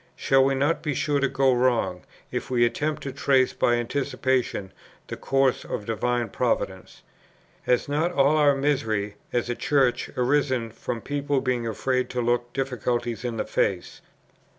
shall we not be sure to go wrong, if we attempt to trace by anticipation the course of divine Providence? "Has not all our misery, as a Church, arisen from people being afraid to look difficulties in the face?